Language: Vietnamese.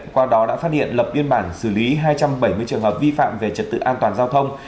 qua đó đã phát hiện lập biên bản xử lý hai trăm bảy mươi trường hợp vi phạm về trật tự an toàn giao thông